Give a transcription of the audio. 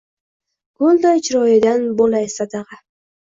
Gulday chiroyidan bo’lay sadag’a